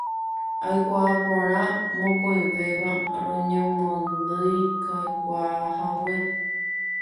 Aikuaa porã mokõivéva roñemondyikakuaahague.